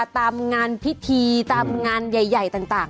ตามงานพิธีตามงานใหญ่ต่าง